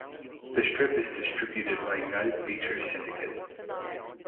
The strip is distributed by United Features Syndicate.